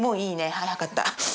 はい分かった。